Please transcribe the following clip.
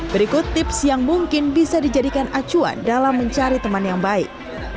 berikut tips yang mungkin bisa dijadikan acuan dalam mencari teman yang baik